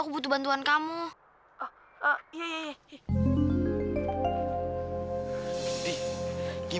kita mau pergi